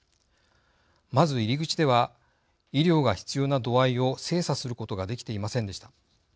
まず、入り口では医療が必要な度合いを精査することができていませんでした。